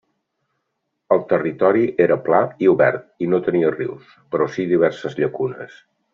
El territori era pla i obert i no tenia rius, però sí diverses llacunes.